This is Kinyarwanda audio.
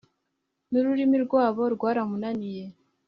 n'ururimi rwabo rwaramunaniye